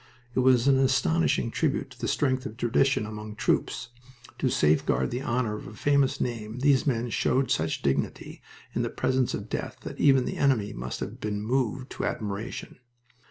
It was an astonishing tribute to the strength of tradition among troops. To safeguard the honor of a famous name these men showed such dignity in the presence of death that even the enemy must have been moved to admiration.